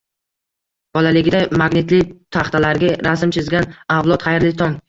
Bolaligida magnitli taxtalarga rasm chizgan avlod, xayrli tong!